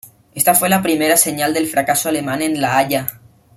Esta fue la primera señal del fracaso alemán en La Haya.